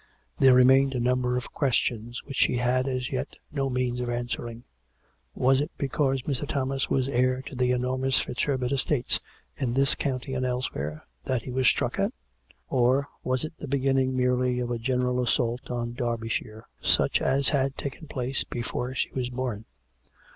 There remained a number of questions which she had as yet no means of answering. Was it be cause Mr. Thomas Avas heir to the enormous FitzHerbert estates in this county and elsewhere, that he was struck at.'' Or was it the beginning, merely, of a general assault on Derbyshire, such as had taken place before she was born?